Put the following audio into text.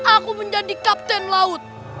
aku menjadi kapten laut